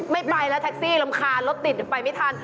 ไม่ไปแล้วแท็กซี่รำคาญรถติดไปไม่ทัน